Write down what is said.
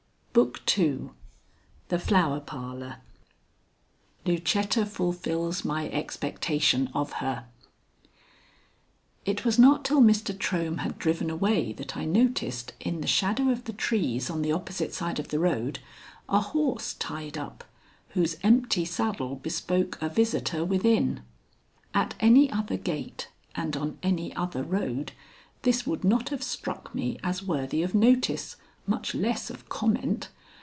BOOK II THE FLOWER PARLOR XV LUCETTA FULFILS MY EXPECTATION OF HER It was not till Mr. Trohm had driven away that I noticed, in the shadow of the trees on the opposite side of the road, a horse tied up, whose empty saddle bespoke a visitor within. At any other gate and on any other road this would not have struck me as worthy of notice, much less of comment.